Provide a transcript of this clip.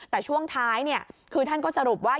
แต่ช่วงท้ายคือท่านก็สรุปว่า